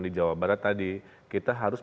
di jawa barat tadi kita harus